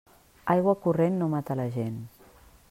Aigua corrent no mata la gent.